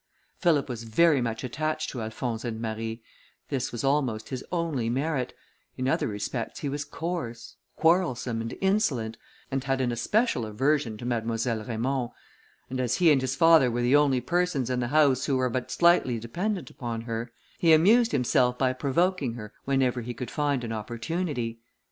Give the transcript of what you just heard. Philip was very much attached to Alphonse and Marie; this was almost his only merit; in other respects he was coarse, quarrelsome, and insolent, and had an especial aversion to Mademoiselle Raymond; and as he and his father were the only persons in the house who were but slightly dependent upon her, he amused himself by provoking her whenever he could find an opportunity.